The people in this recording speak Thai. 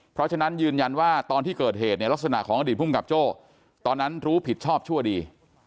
เพราะฉะนั้นยืนยันว่าตอนที่เกิดเหตุเนี่ยลักษณะของอดีตภูมิกับโจ้ตอนนั้นรู้ผิดชอบชั่วดี